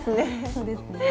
そうですね。